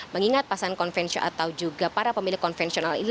mengingat pasangan konvensional atau juga para pemilik konvensional ini